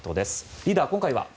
リーダー、今回は？